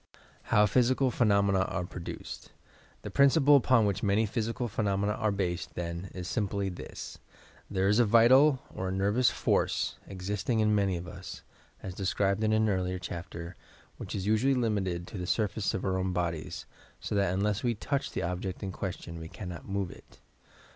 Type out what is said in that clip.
HOW PHYSICAL PHENOMENA ARE PRODUCED The principle upon which many physical phenomena are based, then, is simply this: There is a vital or a nervous force existing in many of us, as described in an earlier chapter, which is usually limited to the sur face of our own bodies, so that unless we touch the object in question, we cannot move it.